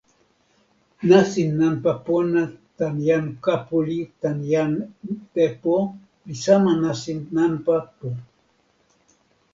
nasin nanpa pona tan jan Kapilu tan jan Tepo li sama nasin nanpa pu.